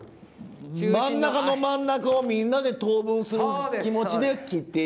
真ん中の真ん中をみんなで等分する気持ちで切っていくっていう。